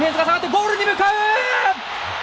ゴールに向かう！